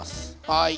はい。